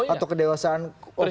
atau kedewasaan oposisi